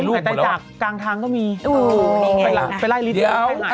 อุ๊ยมันก็มีเยอะน่ะกี่คนฮะ